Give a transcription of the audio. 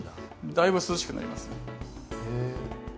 だいぶ涼しくなりますね。